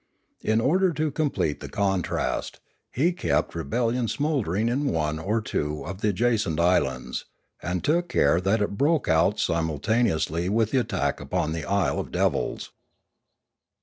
In order to complete the contrast, he kept re bellion smouldering in one or two of the adjacent islands, and took care that it broke out simultaneously with the attack upon the isle of devils.